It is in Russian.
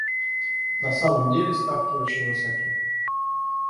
На самом деле ставки очень высоки.